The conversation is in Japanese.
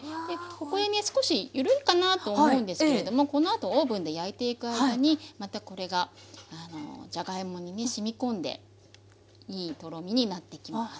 ここへね少し緩いかなと思うんですけれどもこのあとオーブンで焼いていく間にまたこれがじゃがいもにねしみ込んでいいとろみになってきます。